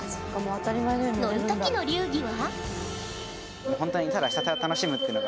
乗る時の流儀は？